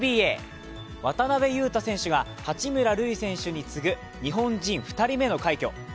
渡邊雄太選手が八村塁選手に次ぐ、日本人２人目の快挙。